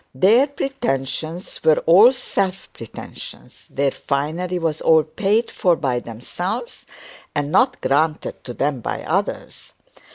Their pretensions were all self pretensions, their finery was all paid for by themselves and not granted to them by others.